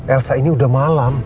elsa ini udah malam